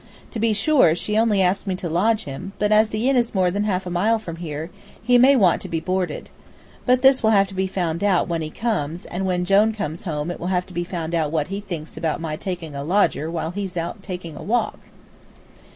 To be sure, she only asked me to lodge him, but as the inn is more than half a mile from here, he may want to be boarded. But this will have to be found out when he comes, and when Jone comes home it will have to be found out what he thinks about my taking a lodger while he's out taking a walk.